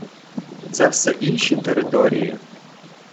Це все інші території.